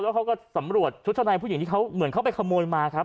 แล้วเขาก็สำรวจชุดชะในผู้หญิงที่เขาเหมือนเขาไปขโมยมาครับ